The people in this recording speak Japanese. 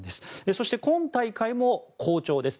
そして今大会も好調です。